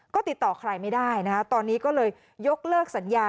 ก็ติดต่อใครไม่ได้นะคะตอนนี้ก็เลยยกเลิกสัญญา